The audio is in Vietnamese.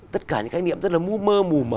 tất cả những khái niệm rất là mơ mù mở